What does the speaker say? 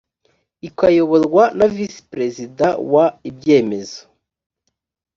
ikayoborwa na visi perezida wa ibyemezo